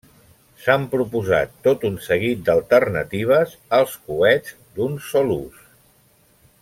S'han proposat tot un seguit d'alternatives als coets d'un sol ús.